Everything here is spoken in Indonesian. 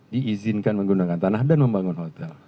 diizinkan menggunakan tanah dan membangun hotel